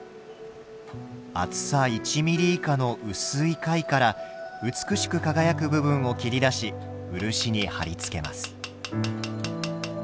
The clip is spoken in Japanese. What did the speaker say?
厚さ１ミリ以下の薄い貝から美しく輝く部分を切り出し漆に貼り付けます。